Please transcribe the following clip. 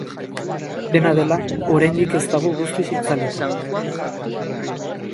Dena dela, oraindik ez dago guztiz itzalita.